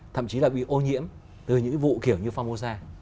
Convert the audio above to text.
thậm chí là bị ô nhiễm từ những vụ kiểu như phong mô sa